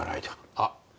あっ。